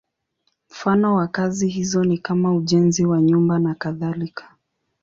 Mfano wa kazi hizo ni kama ujenzi wa nyumba nakadhalika.